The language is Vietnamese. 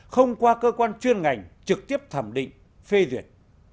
không qua cơ quan chuyên ngành trực tiếp thẩm định phê duyệt